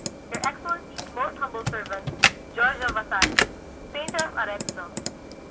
Your Excellency's most humble Servant, GIORGIO VASARI, Painter of Arezzo.